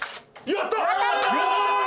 やったー！